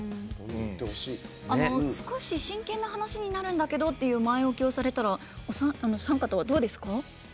少し真剣な話になるんだけどと前置きをされたらお三方は、どうですか？